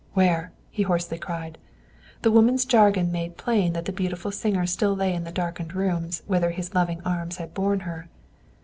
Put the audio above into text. "Where?" he hoarsely cried. The woman's jargon made plain that the beautiful singer still lay in the darkened rooms whither his loving arms had borne her.